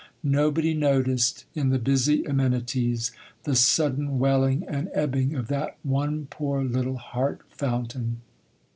Nobody noticed—in the busy amenities—the sudden welling and ebbing of that one poor little heart fountain.